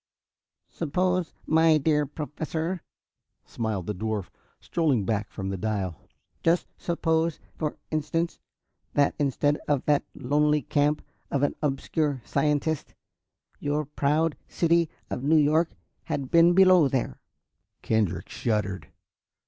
"Suppose, my dear Professor," smiled the dwarf, strolling back from the dial, "just suppose, for instance, that instead of the lonely camp of an obscure scientist, your proud city of New York had been below there!" Kendrick shuddered.